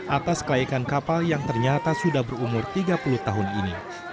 atas kelaikan kapal yang ternyata sudah berumur tiga puluh tahun ini